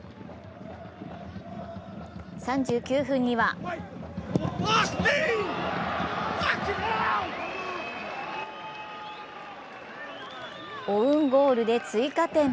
３９分にはオウンゴールで追加点。